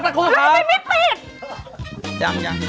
ยังไม่ปิด